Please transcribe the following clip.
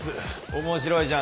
面白いじゃん